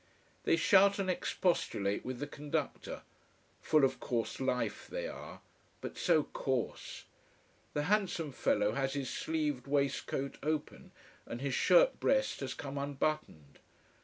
They shout and expostulate with the conductor. Full of coarse life they are: but so coarse! The handsome fellow has his sleeved waistcoat open, and his shirt breast has come unbuttoned.